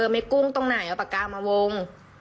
ไม่กุ้งตรงไหนเอาปากกามาวง